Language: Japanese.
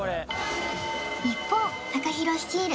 一方ＴＡＫＡＨＩＲＯ率いる